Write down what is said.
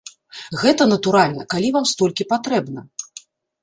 Гэта, натуральна, калі вам столькі патрэбна.